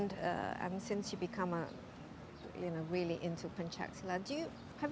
dan itu adalah kemampuan yang sangat berguna untuk anda